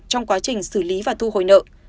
trong quá trình xử lý và thu hồi nợ